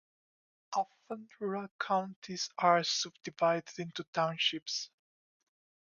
Often rural counties are subdivided into townships.